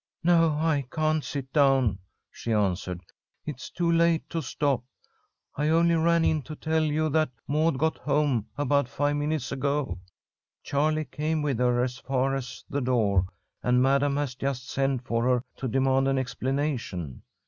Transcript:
"No, I can't sit down," she answered. "It's too late to stop. I only ran in to tell you that Maud got home about five minutes ago. 'Charlie' came with her as far as the door and Madam has just sent for her to demand an explanation.